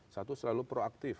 satu selalu proaktif